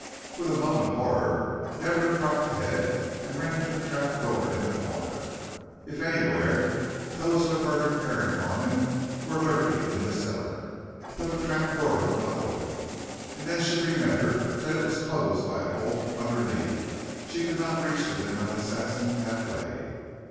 With a moan of horror Deborah dropped the head and ran to the trap door in the corner. If anywhere, those who had murdered Aaron Norman were lurking in the cellar. But the trap door would not open, and then she remembered that it was closed by a bolt underneath. She could not reach the midnight assassin that way.